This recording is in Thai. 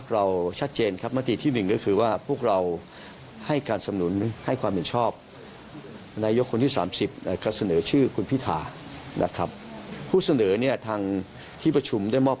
แล้วมีมือผู้ชื่นคุณพิทากีรอบ